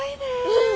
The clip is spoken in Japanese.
うん。